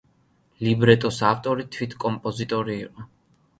ლიბრეტოს ავტორი თვით კომპოზიტორი იყო.